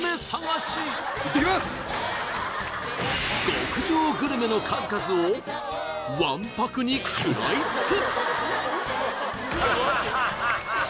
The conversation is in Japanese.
極上グルメの数々をわんぱくに食らいつく！